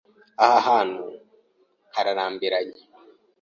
Aha hantu hararambiranye.